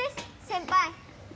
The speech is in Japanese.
先輩。